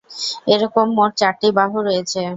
এরকম মোট চারটি বাহু রয়েছে।